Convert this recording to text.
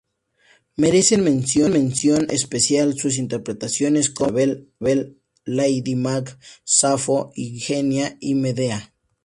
Merecen mención especial sus interpretaciones como Isabel I, Lady Macbeth, Safo, Ifigenia y Medea.